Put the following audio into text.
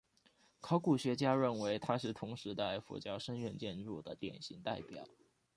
考古学家认为它是同时代佛教僧院建筑的典型代表。